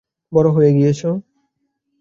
বড় হয়ে গিয়েছ।